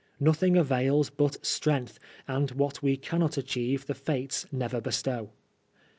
Nothing avails but strength, and what we cannot achieve the Fates never bestow.